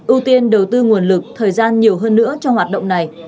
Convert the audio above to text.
ưu tiên đầu tư nguồn lực thời gian nhiều hơn nữa cho hoạt động này